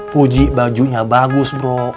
puji bajunya bagus bro